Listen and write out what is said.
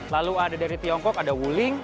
lalu ada dari tiongkok ada wuling